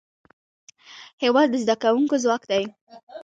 هېواد د زدهکوونکو ځواک دی.